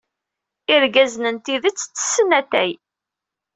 Irgazen n tidet ttessen atay.